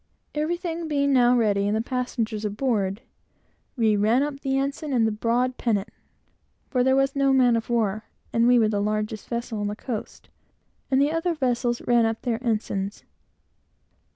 Everything being now ready, and the passengers aboard, we ran up the ensign and broad pennant, (for there was no man of war, and we were the largest vessel on the coast,) and the other vessels ran up their ensigns.